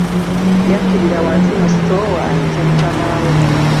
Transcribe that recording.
Yakirira wansi mu sitoowa ayite mukama we.